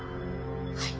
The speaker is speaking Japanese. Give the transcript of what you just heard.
はい。